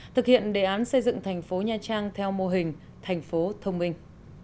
thực hiện đề án xây dựng thành phố nha trang theo mô hình thành phố thông minh